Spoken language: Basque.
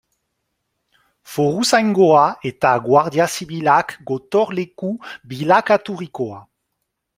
Foruzaingoa eta Guardia Zibilak gotorleku bilakaturikoa.